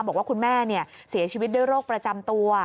บอกว่าคุณแม่เสียชีวิตด้วยโรคประจำตัว